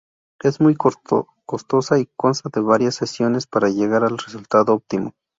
Es muy costosa y consta de varias sesiones para llegar al resultado óptimo.